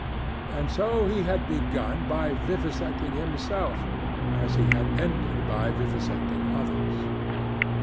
And so he had begun by vivisecting himself, as he had ended by vivisecting others.